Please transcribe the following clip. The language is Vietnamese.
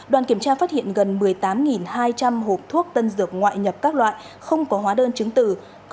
đoàn kiểm tra phát hiện gần một mươi tám hai trăm linh hộp thuốc tân dược ngoại nhập các loại không có hóa đơn chứng tử